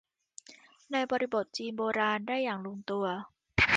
ในบริบทจีนโบราณ ได้อย่างลงตัว